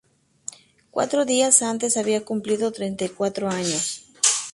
Cuatro días antes había cumplido treinta y cuatro años.